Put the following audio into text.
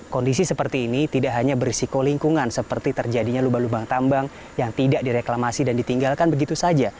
kondisi seperti ini tidak hanya berisiko lingkungan seperti terjadinya lubang lubang tambang yang tidak direklamasi dan ditinggalkan begitu saja